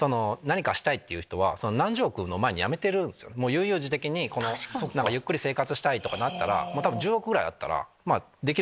悠々自適にゆっくり生活したいとかなったら１０億ぐらいあったらできる。